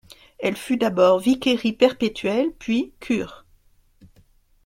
Elle fut d'abord vicairie perpétuelle puis cure.